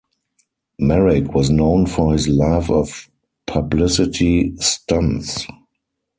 Merrick was known for his love of publicity stunts.